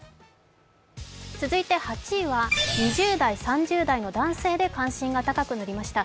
続いて８位は２０代、３０代の男性で関心が高くなりました。